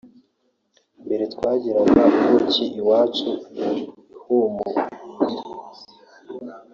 Mbere twagiraga ubuki iwacu imuhira